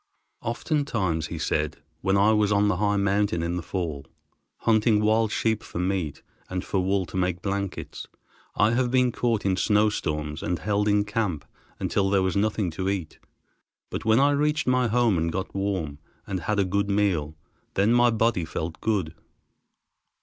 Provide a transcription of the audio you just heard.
"Oftentimes," he said, "when I was on the high mountains in the fall, hunting wild sheep for meat, and for wool to make blankets, I have been caught in snowstorms and held in camp until there was nothing to eat, but when I reached my home and got warm, and had a good meal, then my body felt good.